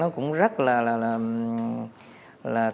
cũng rất là